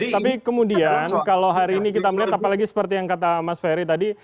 tapi kemudian kalau hari ini kita melihat apalagi seperti yang kata mas ferry tadi